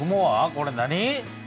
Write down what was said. これ何？